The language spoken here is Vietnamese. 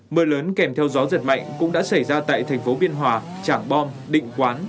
mưa lớn kèm theo gió giật mạnh cũng đã xảy ra tại thành phố biên hòa trảng bom định quán